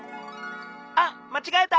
あっまちがえた。